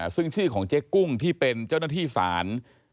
ซึ่งชื่อของเจ๊กุ้งที่เป็นเจ้าหน้าที่ศาล